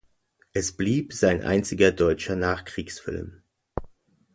Es blieb sein einziger deutsche Nachkriegsfilm.